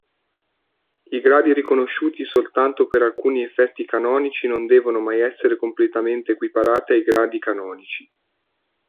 I gradi riconosciuti soltanto per alcuni effetti canonici non devono mai essere completamente equiparati ai gradi canonici.